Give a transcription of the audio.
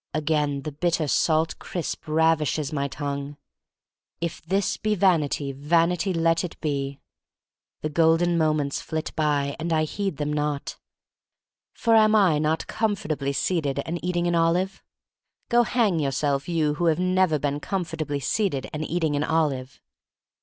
Again the bit ter salt crisp ravishes my tongue. "If this be vanity, — vanity let it be." The golden moments flit by and I heed them not. For am I not comfortably seated and eating an olive? Go hang yourself, you who have never been comfortably seated and eating an olive!